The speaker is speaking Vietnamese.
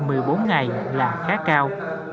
nói chung là đối tượng này là khá cao